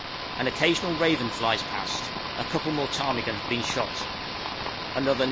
An occasional raven flies past, a couple more ptarmigan have been shot: another N.W.